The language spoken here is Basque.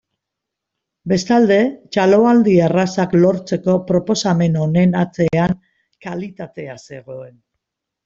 Bestalde, txaloaldi errazak lortzeko proposamen honen atzean kalitatea zegoen.